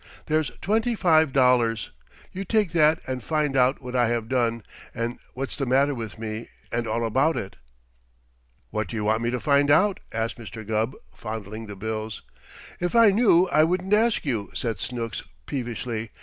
"There's twenty five dollars. You take that and find out what I have done, and what's the matter with me, and all about it." "What do you want me to find out?" asked Mr. Gubb, fondling the bills. "If I knew, I wouldn't ask you," said Snooks peevishly.